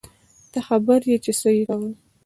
ته خبر يې چې څه يې کول.